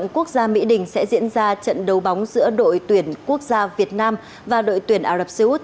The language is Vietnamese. quốc gia mỹ đình sẽ diễn ra trận đấu bóng giữa đội tuyển quốc gia việt nam và đội tuyển ả rập xê út